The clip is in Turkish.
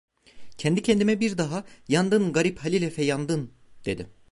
Kendi kendime bir daha: 'Yandın garip Halil Efe yandın!' dedim.